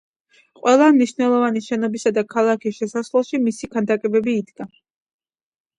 ყველა მნიშვნელოვანი შენობის და ქალაქის შესასვლელში მისი ქანდაკებები იდგა.